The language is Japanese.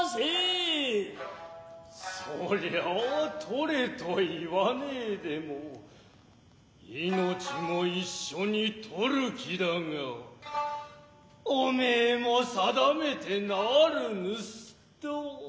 そりゃ取れと言わねえでも命も一緒に取る気だがお前も定めて名ある盗人。